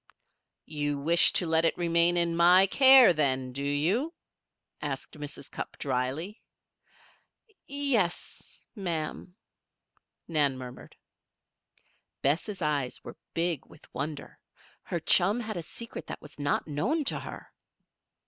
"You wish to let it remain in my care, then, do you?" asked Mrs. Cupp, drily. "Ye yes, ma'am," Nan murmured. Bess' eyes were big with wonder. Her chum had a secret that was not known to her!